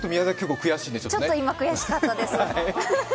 ちょっと悔しかったです。